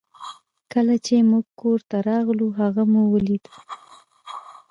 کله چې موږ کور ته راغلو هغه مو ولید